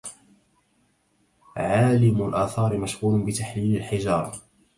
عالِمُ الآثار مشغول بتحليل الحجارهْ